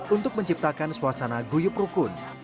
untuk menciptakan suasana guyup rukun